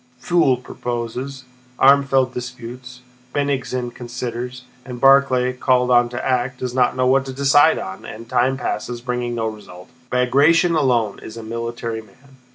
Pfuel proposes, Armfeldt disputes, Bennigsen considers, and Barclay, called on to act, does not know what to decide on, and time passes bringing no result. Bagratión alone is a military man.